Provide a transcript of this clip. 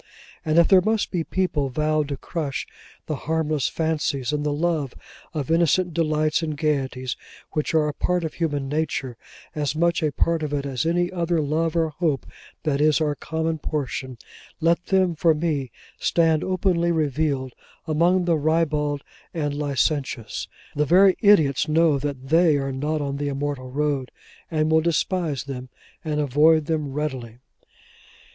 And if there must be people vowed to crush the harmless fancies and the love of innocent delights and gaieties, which are a part of human nature: as much a part of it as any other love or hope that is our common portion: let them, for me, stand openly revealed among the ribald and licentious; the very idiots know that they are not on the Immortal road, and will despise them, and avoid them readily.